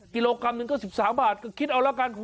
กิโลกรัมหนึ่งก็๑๓บาทก็คิดเอาละกัน